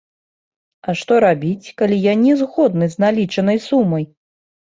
А што рабіць, калі я не згодны з налічанай сумай?